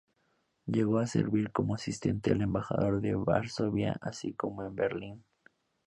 Llegó a servir como asistente al Embajador en Varsovia así como en Berlín.